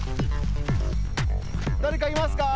だれかいますか？